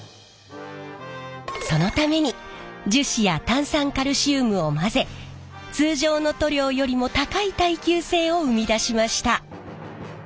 そのために樹脂や炭酸カルシウムを混ぜ通常の塗料よりも高い耐久性を生み出しました。